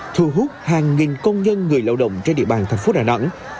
thu hút hàng nghìn công nhân người lao động trên địa bàn thành phố đà nẵng